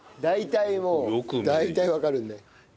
大体もう大体わかるんで。